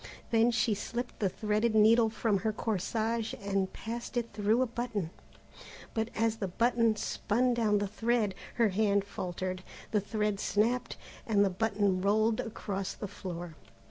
Then she slipped the threaded needle from her corsage and passed it through a button, but as the button spun down the thread, her hand faltered, the thread snapped, and the button rolled across the floor.